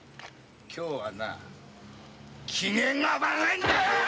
今日はな機嫌が悪いんだ！